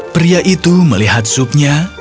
pria itu melihat supnya